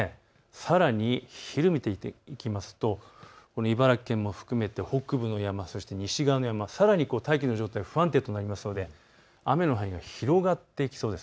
さらに昼を見ていくと、茨城県も含めて北部の山、そして西側の山、さらに大気の状態が不安定となるので雨の範囲が広がってきそうです。